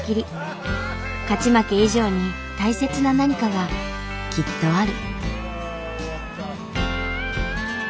勝ち負け以上に大切な何かがきっとある。